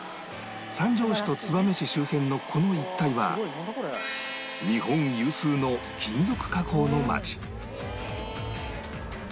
三条市と燕市周辺のこの一帯は日本有数の金属加工の町